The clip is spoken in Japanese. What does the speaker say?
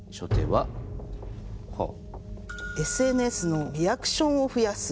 「ＳＮＳのリアクションを増やす」。